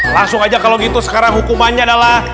langsung aja kalau gitu sekarang hukumannya adalah